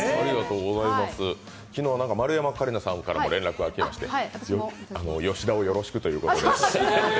昨日は丸山桂里奈さんからも連絡が来まして、吉田をよろしくと。